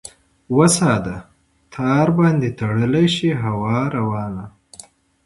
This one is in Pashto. وساده ! تار باندې تړلی شي هوا روانه ؟